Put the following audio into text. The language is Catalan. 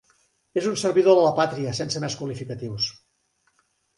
És un servidor de la pàtria sense més qualificatius.